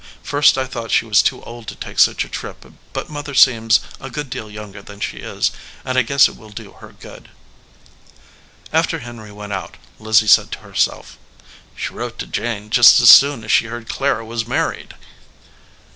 First I thought she was too old to take such a trip, but Mother seems a good deal younger than she is, and I guess it will do her good." 252 THE SOLDIER MAN After Henry went out, Lizzie said to herself, "She wrote to Jane just as soon as she heard Clara was married."